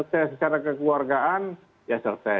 bisa selesai secara kekeluargaan ya selesai